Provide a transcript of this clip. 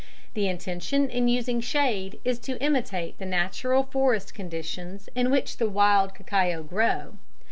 The intention in using shade is to imitate the natural forest conditions in which the wild cacao grew.